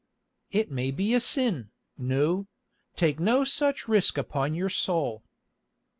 "It may be a sin, Nou; take no such risk upon your soul."